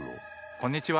こんにちは。